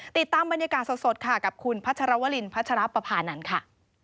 ติดตามบรรยากาศสดค่ะกับคุณพัชรวรินพัชรปภานันทร์ค่ะ